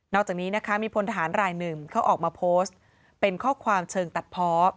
จากนี้นะคะมีพลทหารรายหนึ่งเขาออกมาโพสต์เป็นข้อความเชิงตัดเพาะ